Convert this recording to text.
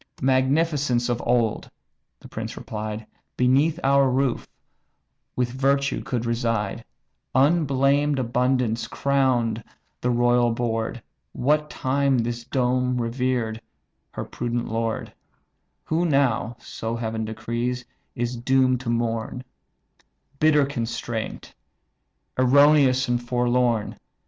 "Magnificence of old (the prince replied) Beneath our roof with virtue could reside; Unblamed abundance crowned the royal board, What time this dome revered her prudent lord; Who now (so Heaven decrees) is doom'd to mourn, Bitter constraint, erroneous and forlorn.